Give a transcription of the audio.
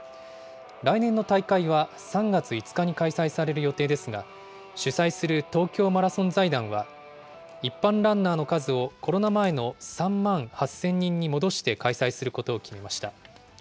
来年の大会は３月５日に開催される予定ですが、主催する東京マラソン財団は、一般ランナーの数をコロナ前の３万８０００人に戻して開催することを決めました。